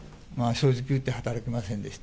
正直言って働きませんでした。